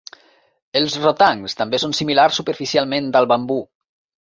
Els rotangs també són similars superficialment al bambú.